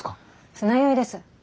船酔いです。